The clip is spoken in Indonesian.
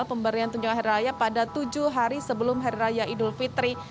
pemberian tunjangan hari raya pada tujuh hari sebelum hari raya idul fitri